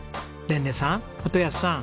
レンネさん基保さん